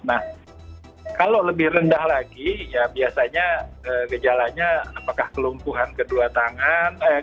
nah kalau lebih rendah lagi ya biasanya gejalanya apakah kelumpuhan kedua tangan